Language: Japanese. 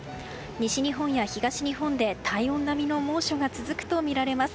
西日本や東日本で体温並みの猛暑が続くとみられます。